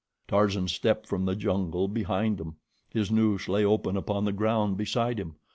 Tarzan stepped from the jungle behind them; his noose lay open upon the ground beside him.